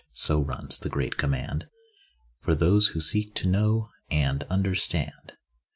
So runs the great command For those who seek to 'know' and 'understand.